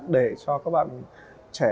để cho các bạn trẻ